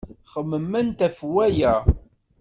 Xemmement ɣef waya.